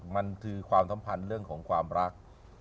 มันคือความสัมพันธ์เรื่องของความรัก